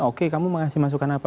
oke kamu mengasih masukan apa